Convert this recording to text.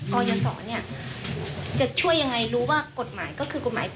กรยศรเนี่ยจะช่วยยังไงรู้ว่ากฎหมายก็คือกฎหมาย